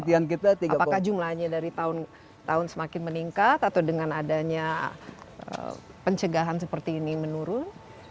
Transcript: dan apakah jumlahnya dari tahun semakin meningkat atau dengan adanya pencegahan seperti ini menurun